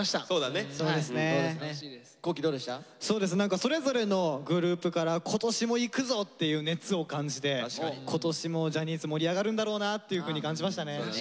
それぞれのグループから今年もいくぞ！っていう熱を感じて今年もジャニーズ盛り上がるんだろうなっていうふうに感じましたね。